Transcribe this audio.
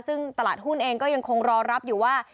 ซึ่งตลาดหุ้นเองก็ยังคงรอรับอยู่ว่า